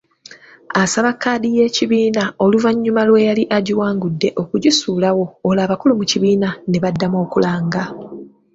Asaba kkaadi y'ekibiina oluvannyuma lw'eyali agiwangudde okugisuulawo olwo abakulu mu kibiina ne baddamu okulanga.